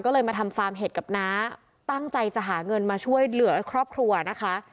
ก็เลยมาทำฟาร์มเห็ดกับน้าตั้งใจจะหาเงินมาช่วยเหลือครอบครัวนะคะ